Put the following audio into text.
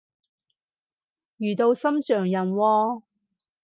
遇到心上人喎？